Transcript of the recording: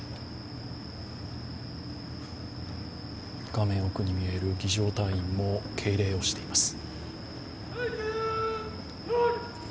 画面奥に見える儀じょう隊員も敬礼をしています。